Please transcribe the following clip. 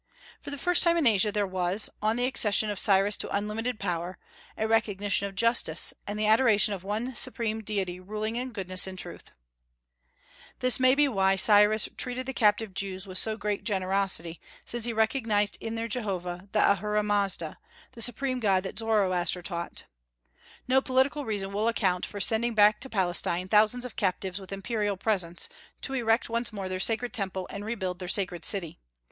For the first time in Asia there was, on the accession of Cyrus to unlimited power, a recognition of justice, and the adoration of one supreme deity ruling in goodness and truth. This may be the reason why Cyrus treated the captive Jews with so great generosity, since he recognized in their Jehovah the Ahura Mazda, the Supreme God that Zoroaster taught. No political reason will account for sending back to Palestine thousands of captives with imperial presents, to erect once more their sacred Temple and rebuild their sacred city.